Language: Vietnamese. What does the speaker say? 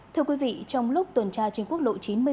thưa quý vị trong lúc tuần tra trên quốc lộ chín mươi một